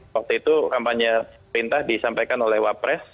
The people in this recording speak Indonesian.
waktu itu kampanye perintah disampaikan oleh wapres